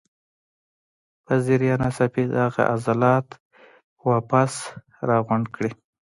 پۀ ذريعه ناڅاپي دغه عضلات واپس راغونډ کړي